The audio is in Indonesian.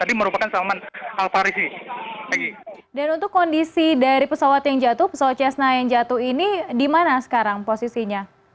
dan untuk kondisi dari pesawat yang jatuh pesawat cessna yang jatuh ini di mana sekarang posisinya